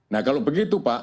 nah kalau begitu pak